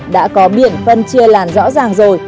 đã có biện phân chia làn rõ ràng rồi